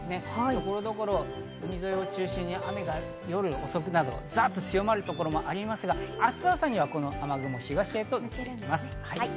所々、海沿いを中心に雨が夜遅くなるとザッと強まる所もありますが、明日朝にはこの雨雲は東へと抜けていきます。